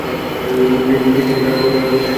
তিনি বেগম রোকেয়ার সাথে নারীমুক্তির আন্দোলনে অংশ নেন।